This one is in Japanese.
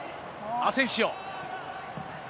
アセンシオ。